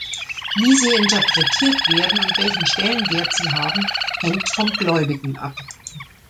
Wie sie interpretiert werden und welchen Stellenwert sie haben, hängt vom Gläubigen ab.